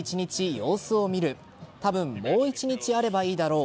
様子を見るたぶんもう１日あればいいだろう